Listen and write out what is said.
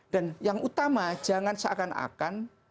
dan yang utama jangan seakan akan